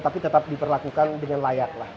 tapi tetap diperlakukan dengan layak lah